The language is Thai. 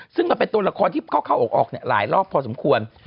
ซึ่งมันเป็นตัวละครที่เข้าออกหลายรอบพอสมควร